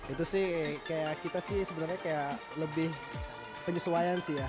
itu sih kayak kita sih sebenarnya kayak lebih penyesuaian sih ya